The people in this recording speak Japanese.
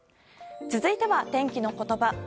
続いては、天気のことば。